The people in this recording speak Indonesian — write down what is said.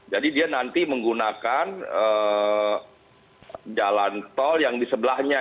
jadi dia nanti menggunakan jalan tol yang di sebelahnya